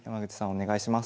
お願いします。